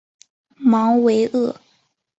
芒维厄。